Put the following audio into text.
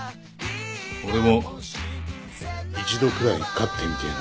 俺も１度くらい勝ってみてえな。